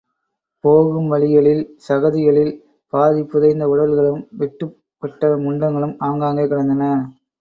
போகும் வழிகளில், சகதிகளில், பாதிபுதைந்த உடல்களும், வெட்டுப்பட்ட முண்டங்களும் ஆங்காங்கே கிடந்தன.